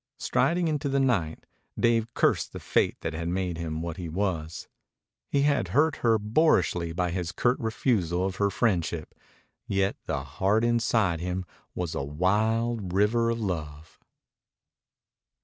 Striding into the night, Dave cursed the fate that had made him what he was. He had hurt her boorishly by his curt refusal of her friendship. Yet the heart inside him was a wild river of love.